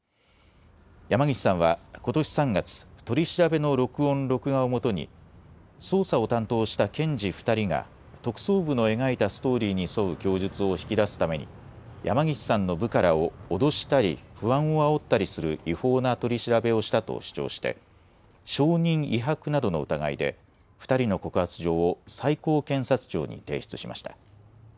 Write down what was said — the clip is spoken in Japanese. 山岸さんはことし３月取り調べの録音・録画をもとに捜査を担当した検事２人が特捜部の描いたストーリーに沿う供述を引き出すために山岸さんの部下らを脅したり不安をあおったりする違法な取り調べをしたと主張して証人威迫などの疑いで２人の告発状を最高検察庁に提出しました。